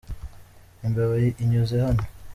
Imbeba inyuze hano.